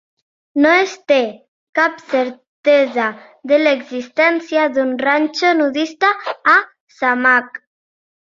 No es té cap certesa de l'existència d'un ranxo nudista a Samak.